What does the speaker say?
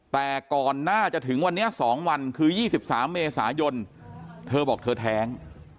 แต่ก่อนหน้าจะถึงวันนี้๒วันคือ๒๓เมษายนเธอบอกเธอแท้ง